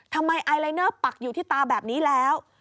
ไอลายเนอร์ปักอยู่ที่ตาแบบนี้แล้ว